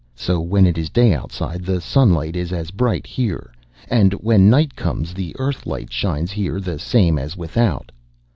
So when it is day outside the sunlight is as bright here, and when night comes the Earth light shines here the same as without.